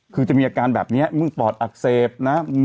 คือจะมีอาการแบบนี้มึงปอดอักเสบนะ